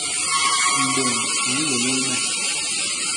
Mbôñ a nlôlôl me.